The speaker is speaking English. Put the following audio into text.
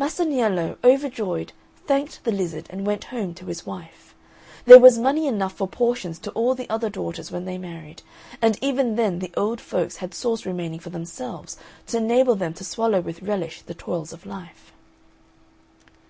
Masaniello, overjoyed, thanked the lizard and went home to his wife. There was money enough for portions to all the other daughters when they married, and even then the old folks had sauce remaining for themselves to enable them to swallow with relish the toils of life.